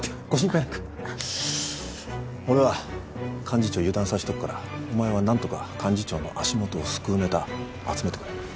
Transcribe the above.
俺は幹事長油断さしとくからお前は何とか幹事長の足元をすくうネタ集めてくれ。